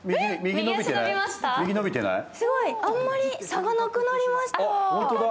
あまり差がなくなりました。